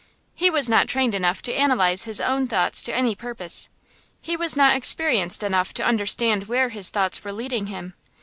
He was not trained enough to analyze his own thoughts to any purpose; he was not experienced enough to understand where his thoughts were leading him.